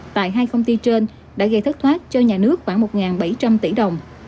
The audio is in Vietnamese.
tại hai công ty trên đã gây thất thoát cho nhà nước khoảng một bảy trăm linh tỷ đồng